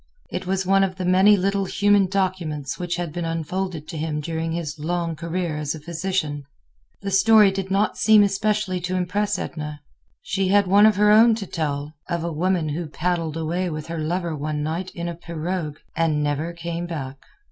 It was one of the many little human documents which had been unfolded to him during his long career as a physician. The story did not seem especially to impress Edna. She had one of her own to tell, of a woman who paddled away with her lover one night in a pirogue and never came back.